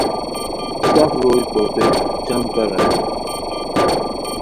سف روئے توتے جم کار ارینی